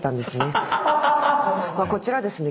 こちらですね